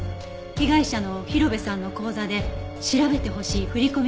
被害者の広辺さんの口座で調べてほしい振込記録があるの。